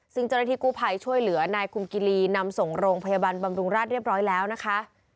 ซึ่งเจ้าหน้าที่กู้ภัยช่วยเหลือนายคุมกิลีนำส่งโรงพยาบาลบำรุงราชเรียบร้อยแล้วนะคะ